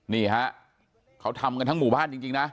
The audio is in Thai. นี่ฮะเขาทำกันทั้งหมู่บ้านจริงนะ